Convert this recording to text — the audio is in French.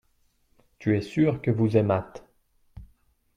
tu es sûr que vous aimâtes.